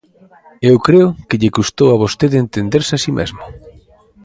Eu creo que lle custou a vostede entenderse a si mesmo.